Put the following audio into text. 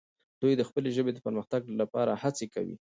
دوی د خپلې ژبې د پرمختګ لپاره هڅې کوي.